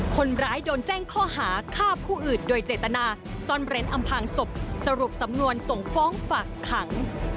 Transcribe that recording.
คนร้ายโดนแจ้งข้อหาฆ่าผู้อื่นโดยเจตนาซ่อนเร้นอำพางศพสรุปสำนวนส่งฟ้องฝากขัง